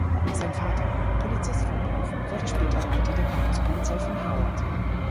Sein Vater, Polizist von Beruf, wurde später Leiter der Campus-Polizei von Harvard.